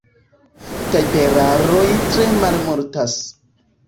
Tajperaroj tre malmultas.